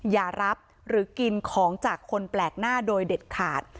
อย่ารับหรือกินของจากคนแปลกหน้าโดยเด็ดขาด